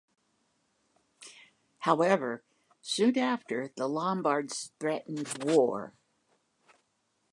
However, soon after the Lombards threatened war.